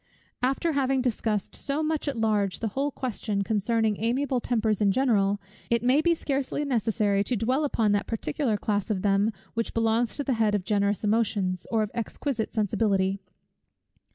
After having discussed so much at large the whole question concerning amiable tempers in general, it may be scarcely necessary to dwell upon that particular class of them which belongs to the head of generous emotions, or of exquisite sensibility.